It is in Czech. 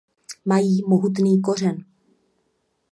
Mají mohutný kořen.